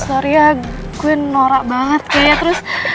sorry ya gue norak banget kayaknya terus